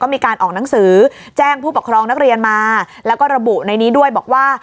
มีการออกหนังสือแจ้งผู้ปกครองนักเรียนมาแล้วก็ระบุในนี้ด้วยบอกว่า